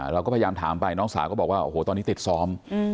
เราก็พยายามถามไปน้องสาวก็บอกว่าโอ้โหตอนนี้ติดซ้อม